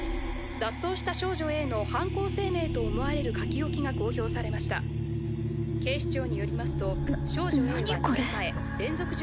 脱走した少女Ａの犯行声明と思われる書き置きが公表されました警視庁によりますとな何これ？